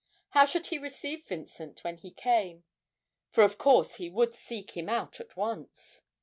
How should he receive Vincent when he came? for of course he would seek him out at once.